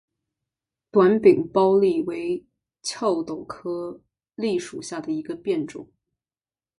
短柄枹栎为壳斗科栎属下的一个变种。